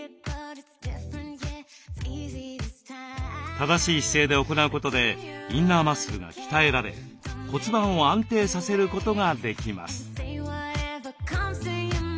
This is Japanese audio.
正しい姿勢で行うことでインナーマッスルが鍛えられ骨盤を安定させることができます。